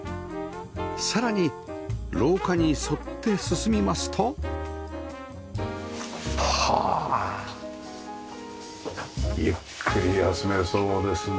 さらに廊下に沿って進みますとはあゆっくり休めそうですね。